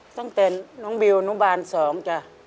ตั้งแต่น้องบิวอนุบาล๒จ้ะ